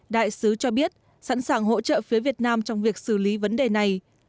đại sứ cho biết sẵn sàng hỗ trợ phía việt nam trong việc xử lý vấn đề này